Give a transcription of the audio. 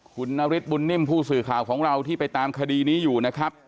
คุณนฤทธบุญนิ่มผู้สื่อข่าวของเราที่ไปตามคดีนี้อยู่นะครับ